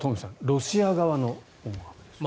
ロシア側の思惑です。